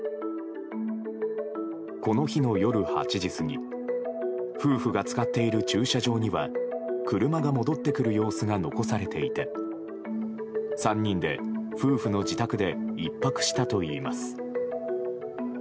この日の夜８時過ぎ夫婦が使っている駐車場には車が戻ってくる様子が残されていて３人で夫婦の自宅で１泊したといいます。